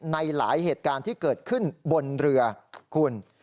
ในหลายเหตุการณ์ที่เกิดขึ้นบนเรือคุณ